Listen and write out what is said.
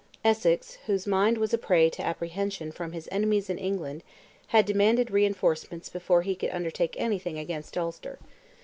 Essex, whose mind was a prey to apprehension from his enemies in England had demanded reinforcements before he could undertake anything against Ulster.